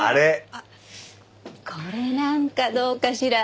あっこれなんかどうかしら？